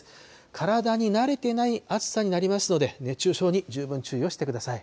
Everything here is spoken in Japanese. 体に慣れてない暑さになりますので、熱中症に十分注意をしてください。